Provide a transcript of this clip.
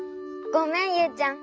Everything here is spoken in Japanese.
ごめんユウちゃん。